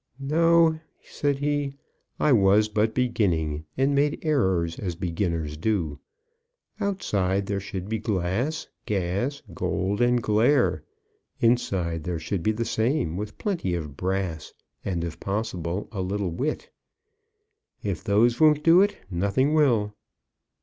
"No," said he; "I was but beginning, and made errors as beginners do. Outside there should be glass, gas, gold, and glare. Inside there should be the same, with plenty of brass, and if possible a little wit. If those won't do it, nothing will."